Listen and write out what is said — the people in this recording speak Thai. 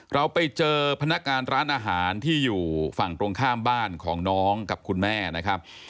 เราไปเจอพนักงานร้านอาหารที่อยู่ฝั่งตรงข้ามบ้านของน้องกับคุณแม่นะครับ